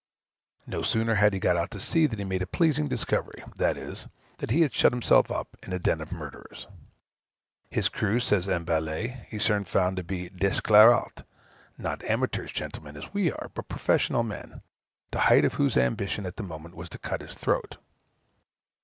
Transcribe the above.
No sooner had he got out to sea than he made a pleasing discovery, viz. that he had shut himself up in a den of murderers. His crew, says M. Baillet, he soon found out to be "des scélérats," not amateurs, gentlemen, as we are, but professional men the height of whose ambition at that moment was to cut his throat.